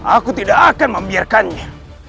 aku tidak akan membiarkannya